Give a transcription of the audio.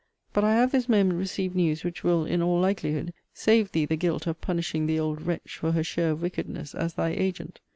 But I have this moment received news which will, in all likelihood, save thee the guilt of punishing the old wretch for her share of wickedness as thy agent.